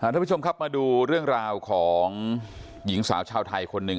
ทุกผู้ชมครับมาดูเรื่องราวของหญิงสาวชาวไทยคนหนึ่ง